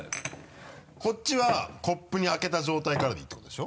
こっちはコップにあけた状態からでいいってことでしょ？